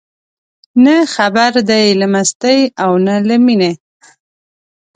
نه خبر دي له مستۍ او نه له مینې